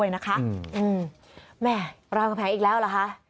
มารามคำแหงอีกแล้วล่ะคะ